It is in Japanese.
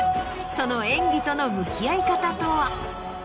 その演技との向き合い方とは？